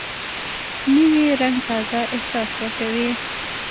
نوی رنګ تازه احساس ورکوي